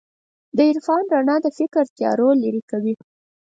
د عرفان رڼا د فکر تیارو لېرې کوي.